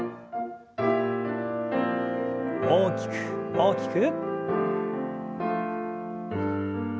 大きく大きく。